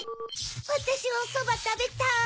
わたしおソバたべたい！